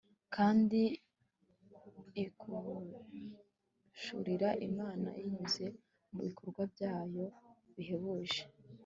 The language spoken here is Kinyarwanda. kandi, iduhishurira imana binyuze mubikorwa byayo bihebuje